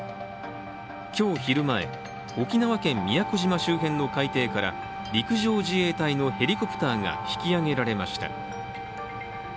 今日昼前、沖縄県宮古島周辺の海底から陸上自衛隊のヘリコプターが引き揚げられました。